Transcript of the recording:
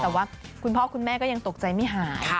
แต่ว่าคุณพ่อคุณแม่ก็ยังตกใจไม่หาย